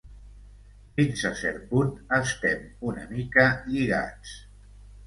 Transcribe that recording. fins a cert punt estem una mica lligats